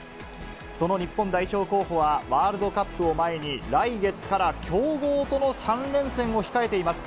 その日本代表候補は、ワールドカップを前に、来月から強豪との３連戦を控えています。